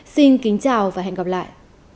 xin kính chào và hẹn gặp lại